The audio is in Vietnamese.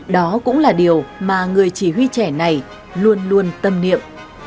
đó cũng là điều mà người chỉ huy trẻ này luôn luôn tâm niệm